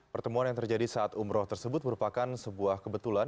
pertemuan yang terjadi saat umroh tersebut merupakan sebuah kebetulan